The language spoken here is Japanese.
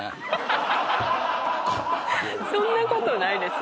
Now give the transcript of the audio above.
そんなことないですよ。